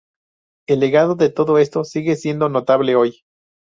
El legado de todo esto sigue siendo notable hoy.